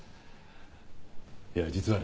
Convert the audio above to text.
いや実はね